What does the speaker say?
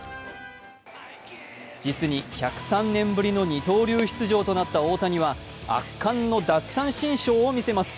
実に１０３年ぶりの二刀流出場となった大谷は圧巻の奪三振ショーをみせます。